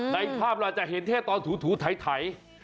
ในภาพเราจะเห็นแค่ตอนถูไถ